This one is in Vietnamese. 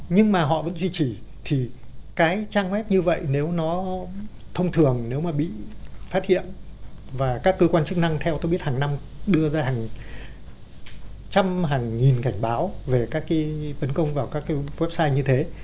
nhưng mà họ vẫn duy trì thì cái trang web như vậy nếu nó thông thường nếu mà bị phát hiện và các cơ quan chức năng theo tôi biết hàng năm đưa ra hàng trăm hàng nghìn cảnh báo về các cái tấn công vào các cái website như thế